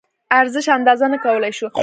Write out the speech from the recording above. ارزش اندازه نه کولی شو.